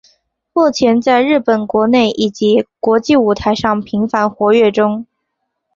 目前在日本国内以及国际舞台上频繁活跃中。